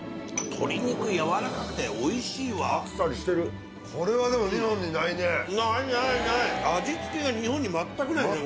鶏肉やわらかくておいしいわあっさりしてるこれはでも日本にないねないないない味付けが日本に全くないですね